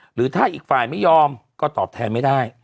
หรือถ้าอีกฝ่ายไม่ยอมก็ตอบแทนไม่ได้